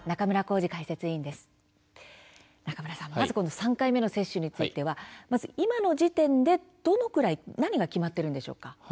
３回目の接種については今の時点で、どのくらい何が決まっているのでしょうか？